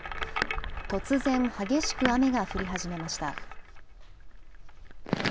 突然、激しく雨が降り始めました。